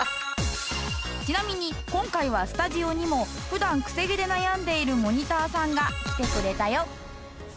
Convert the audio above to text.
ちなみに今回はスタジオにも普段くせ毛で悩んでいるモニターさんが来てくれたよ。